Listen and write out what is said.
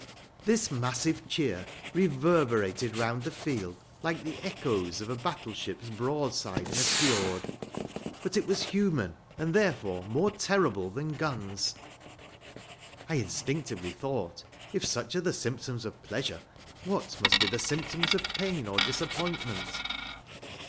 This massive cheer reverberated round the field like the echoes of a battleship's broadside in a fiord. But it was human, and therefore more terrible than guns. I instinctively thought: "If such are the symptoms of pleasure, what must be the symptoms of pain or disappointment?"